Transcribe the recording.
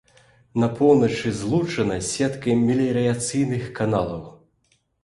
На поўначы злучана з сеткай меліярацыйных каналаў.